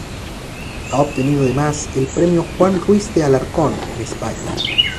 Ha obtenido además el premio "Juan Ruiz de Alarcón" en España.